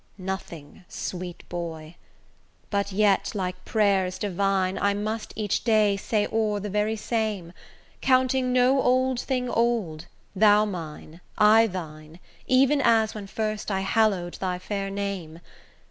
Nothing, sweet boy; but yet, like prayers divine, I must each day say o'er the very same; Counting no old thing old, thou mine, I thine, Even as when first I hallow'd thy fair name.